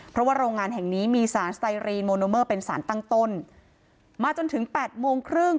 เพราะว่าโรงงานแห่งนี้มีสารสไตรีนโมโนเมอร์เป็นสารตั้งต้นมาจนถึงแปดโมงครึ่ง